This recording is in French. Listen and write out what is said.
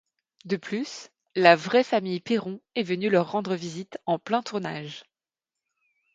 De plus, la vraie famille Perron est venue leur rendre visite en plein tournage.